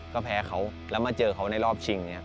ก็แพ้เขาแล้วมาเจอเขาในรอบชิง